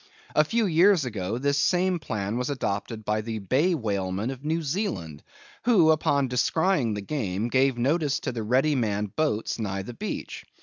A few years ago this same plan was adopted by the Bay whalemen of New Zealand, who, upon descrying the game, gave notice to the ready manned boats nigh the beach.